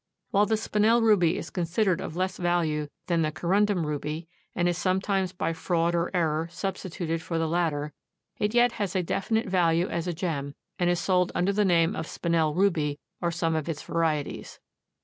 While the Spinel ruby is considered of less value than the corundum ruby and is sometimes by fraud or error substituted for the latter, it yet has a definite value as a gem and is sold under the name of Spinel ruby or some of its varieties.